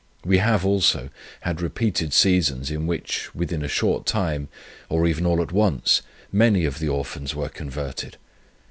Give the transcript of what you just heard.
We have, also, had repeated seasons in which, within a short time, or even all at once, many of the Orphans were converted.